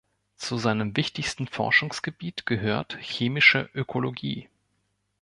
Zu seinem wichtigsten Forschungsgebiet gehört chemische Ökologie.